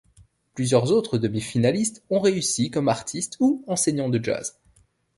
Plusieurs autres demi-finalistes ont réussi comme artistes ou enseignants de jazz.